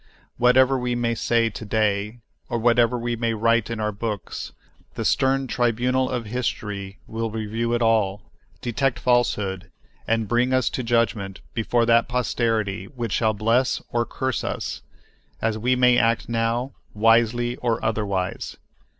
Whatever we may say to day, or whatever we may write in our books, the stern tribunal of history will review it all, detect falsehood, and bring us to judgment before that posterity which shall bless or curse us, as we may act now, wisely or otherwise.